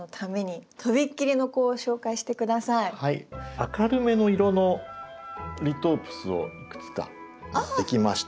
明るめの色のリトープスをいくつか持ってきました。